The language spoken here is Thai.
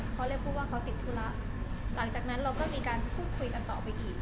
เขาเรียกพูดว่าเขาติดธุระหลังจากนั้นเราก็มีการพูดคุยกันต่อไปอีก